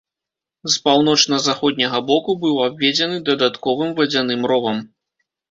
З паўночна-заходняга боку быў абведзены дадатковым вадзяным ровам.